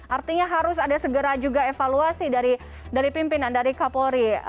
artinya harus ada segera juga evaluasi dari pimpinan dari kapolri